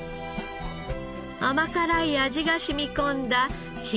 甘辛い味が染み込んだ信田煮。